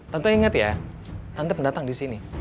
tante inget ya tante pendatang disini